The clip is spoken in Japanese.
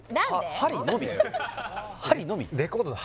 針のみ？